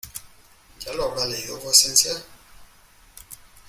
¿ ya lo habrá leído vuecencia?